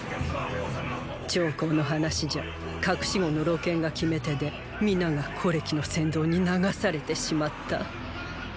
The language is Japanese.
趙高の話じゃ“隠し子”の露見が決め手で皆が虎歴の扇動に流されてしまった。